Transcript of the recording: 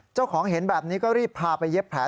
เจ้าของเห็นแบบนี้ก็รีบพาไปเย็บแผล